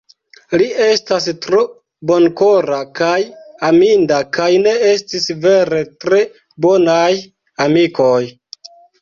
Li estas tro bonkora kaj aminda; kaj ne estis vere tre bonaj amikoj.